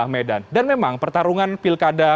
medan dan memang pertarungan pilkada